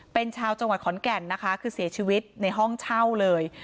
เป็นชาวจังหวัดขอนแก่นนะคะคือเสียชีวิตในห้องเช่าเลย